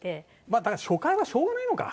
「まあだから初回はしょうがないのか」